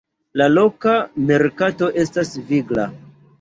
La loka merkato estas vigla.